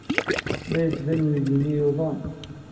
La d-yettban uydi-nni yuḍen.